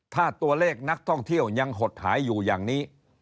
ถ้าตัวเลขนักท่องเที่ยวยังหดหายอยู่อย่างนี้